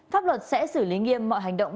pháp luật sẽ xử lý nghiêm mọi hành động